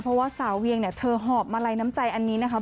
เพราะว่าสาวเวียงเนี่ยเธอหอบมาลัยน้ำใจอันนี้นะคะ